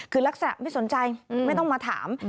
คือลักษณะไม่สนใจไม่ต้องมาถาม